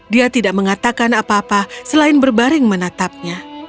dia tidak mengatakan apa apa selain berbaring menatapnya